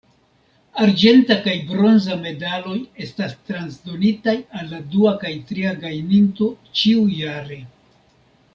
Arĝenta kaj bronza medaloj estas transdonitaj al la dua kaj tria gajninto ĉiujare.